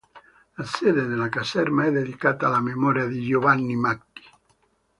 La sede della caserma è dedicata alla memoria di Giovanni Macchi.